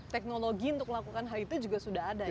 teknologi untuk melakukan hal itu juga sudah ada ya